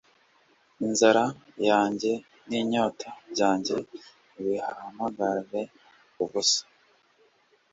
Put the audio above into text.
Inzara yanjye n'inyota byanjye ntibihamagare ubusa